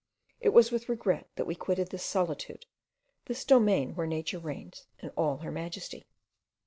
It was with regret that we quitted this solitude, this domain where Nature reigns in all her majesty.